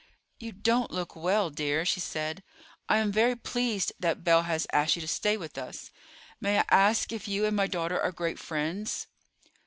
"You don't look well, dear," she said. "I am very pleased that Belle has asked you to stay with us. May I ask if you and my daughter are great friends?"